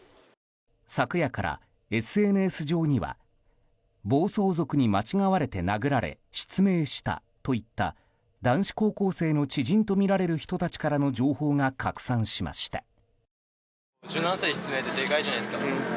昨夜からＳＮＳ上には暴走族に間違われて殴られ失明したといった男子高校生の知人とみられる人たちからの情報が拡散しました。